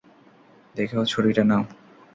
দেখো ছুরিটা নাও।